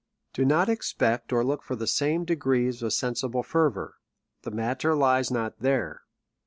Do not expect or look for the same degrees of sen sible fervour. — The matter lies not there.